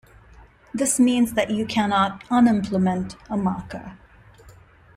This means that you cannot "unimplement" a marker.